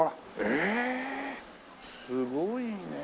すごいね。